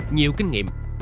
nhiều kinh nghiệm